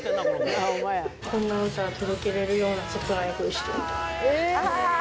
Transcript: こんな歌を届けられるような切ない恋をしてみたい。